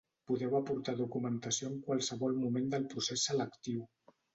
Podeu aportar documentació en qualsevol moment del procés selectiu.